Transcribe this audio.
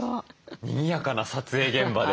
にぎやかな撮影現場で。